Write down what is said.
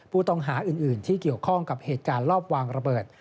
ผู้ต้องหาอื่นที่เกี่ยวข้องกับเหตุการณ์รอบวางระเบิด